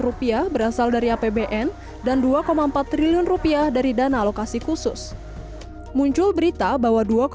rupiah berasal dari apbn dan dua empat triliun rupiah dari dana alokasi khusus muncul berita bahwa